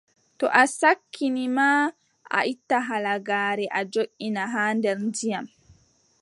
To o sakkini ma, a itta halagaare a joʼina haa nder ndiyam.